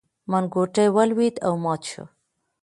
منګوټی ولوېد او مات شو.